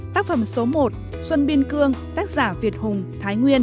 tác phẩm số một xuân biên cương tác giả việt hùng thái nguyên